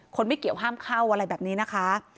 ไม่เกี่ยวห้ามเข้าอะไรแบบนี้นะคะ